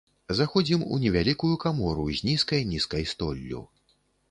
Заходзім у невялікую камору з нізкай-нізкай столлю.